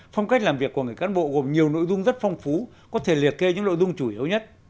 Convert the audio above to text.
phong cách làm việc của người cán bộ gồm nhiều nội dung rất phong phú có thể liệt kê những nội dung chủ yếu nhất